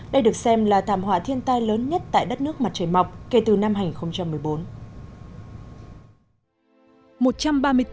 đây được xem là thảm họa thiên tai lớn nhất tại đất nước mặt trời mọc kể từ năm hai nghìn một mươi bốn